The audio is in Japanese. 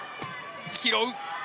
拾う。